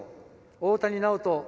大谷直人